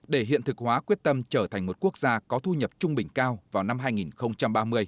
để hiện thực hóa quyết tâm trở thành một quốc gia có thu nhập trung bình cao vào năm hai nghìn ba mươi